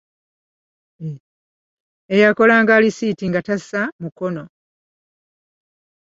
Eyakolanga alisiiti nga tassa mukono.